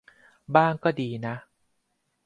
บ้างก็ดีนะ